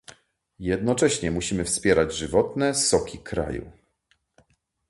Jednocześnie musimy wspierać żywotne soki kraju